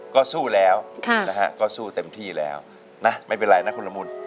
ก็สู้แล้วก็สู้เต็มที่แล้วนะไม่เป็นไรนะคุณละมุน